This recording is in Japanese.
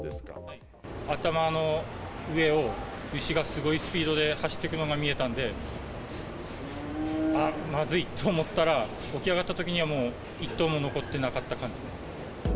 頭の上を牛がすごいスピードで走っていくのが見えたんで、あっ、まずいと思ったら、起き上がったときには、もう１頭も残ってなかった感じです。